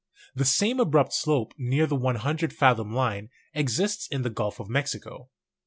The same abrupt slope near the 100 fathom line exists in the Gulf of Mexico.